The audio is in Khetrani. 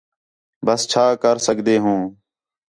ٻَس چھا کر سڳدے ہوں